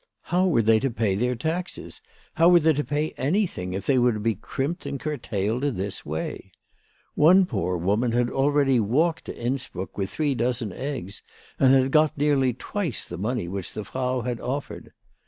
How were they to pay their taxes, how were they to pay anything, if they were to be crimped and curtailed in this way ? One poor woman had already walked to Innsbruck with three dozen eggs, and had got nearly twice the money which the Frau had offered.